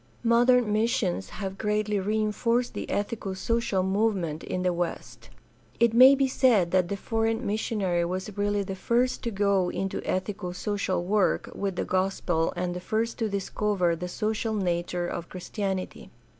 — ^Modern missions have greatly reinforced the ethico social movement in the West. It may be said that the foreign missionary was really the first to go into ethico social work with the gospel and the first to discover the social nature of Christianity.